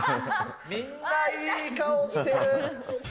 みんないい顔してる。